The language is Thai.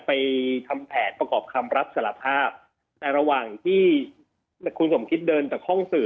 ไปทำแผนประกอบคำรับสารภาพแต่ระหว่างที่คุณสมคิตเดินจากห้องสื่อ